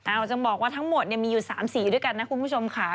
เอาจะบอกว่าทั้งหมดมีอยู่๓สีด้วยกันนะคุณผู้ชมค่ะ